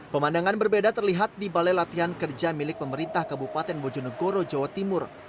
pemandangan berbeda terlihat di balai latihan kerja milik pemerintah kabupaten bojonegoro jawa timur